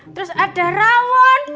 terus ada rawon